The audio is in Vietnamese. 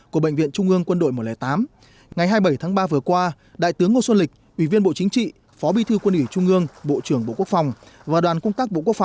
các bác sĩ khẳng định